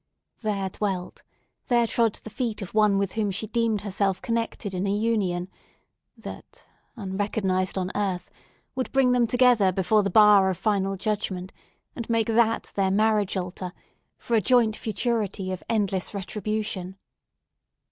There dwelt, there trode, the feet of one with whom she deemed herself connected in a union that, unrecognised on earth, would bring them together before the bar of final judgment, and make that their marriage altar, for a joint futurity of endless retribution.